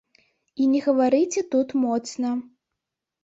І не гаварыце тут моцна.